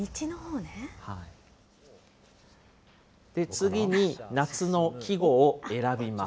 次に夏の季語を選びます。